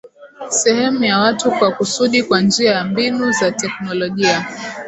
Sehemu ya watu kwa kusudi kwa njia ya mbinu za teknolojia